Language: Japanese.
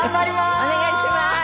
お願いしまーす。